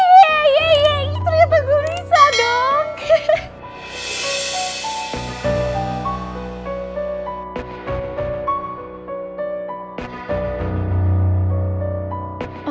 yeay ternyata gue bisa dong